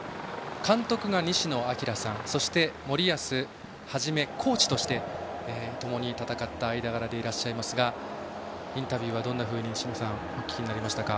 監督が西野朗さんそして森保一コーチとしてともに戦った間柄でいらっしゃいますがインタビューはどんなふうにお聞きになりましたか？